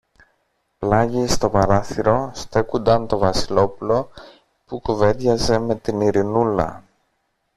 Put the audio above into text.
Πλάγι στο παράθυρο στέκουνταν το Βασιλόπουλο που κουβέντιαζε με την Ειρηνούλα